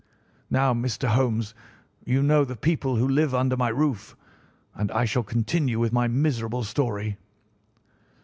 "Now, Mr. Holmes, you know the people who live under my roof, and I shall continue with my miserable story.